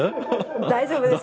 大丈夫です。